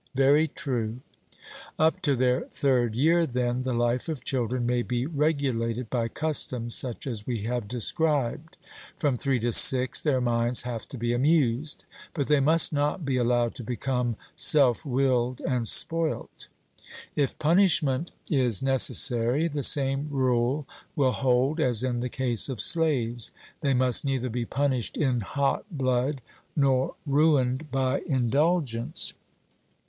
'Very true.' Up to their third year, then, the life of children may be regulated by customs such as we have described. From three to six their minds have to be amused; but they must not be allowed to become self willed and spoilt. If punishment is necessary, the same rule will hold as in the case of slaves; they must neither be punished in hot blood nor ruined by indulgence.